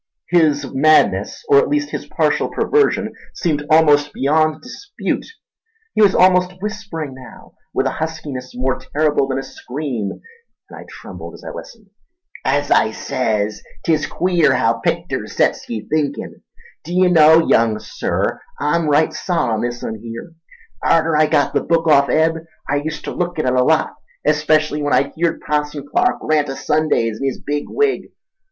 His madness, or at least his partial perversion, seemed beyond dispute. He was almost whispering now, with a huskiness more terrible than a scream, and I trembled as I listened. "As I says, 'tis queer haow picters sets ye thinkin'. D'ye know, young Sir, I'm right sot on this un here. Arter I got the book off Eb I uster look at it a lot, especial when I'd heerd Passon Clark rant o' Sundays in his big wig.